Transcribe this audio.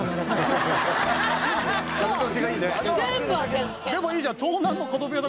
でもいいじゃん。